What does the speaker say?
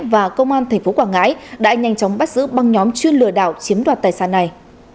và công an tp quảng ngãi đã nhanh chóng bắt giữ băng nhóm chuyên lừa đảo chiếm đoạt tài sản này